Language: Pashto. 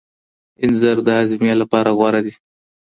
انځر د هاضمې لپاره غوره دی.